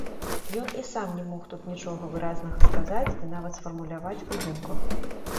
Ён і сам не мог тут нічога выразнага сказаць і нават сфармуляваць у думках.